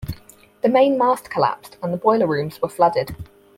The main mast collapsed and boiler rooms were flooded.